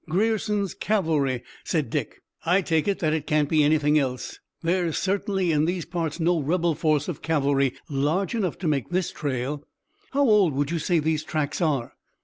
"Grierson's cavalry," said Dick. "I take it that it can't be anything else. There is certainly in these parts no rebel force of cavalry large enough to make this trail." "How old would you say these tracks are?"